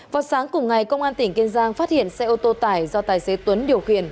vào sáng cùng ngày công an tỉnh kiên giang phát hiện xe ô tô tải do tài xế tuấn điều khiển